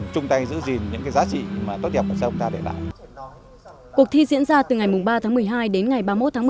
cuộc thi diễn ra từ ngày ba một mươi hai đến ngày ba mươi một một mươi hai hai nghìn hai mươi